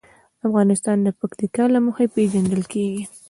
افغانستان د پکتیکا له مخې پېژندل کېږي.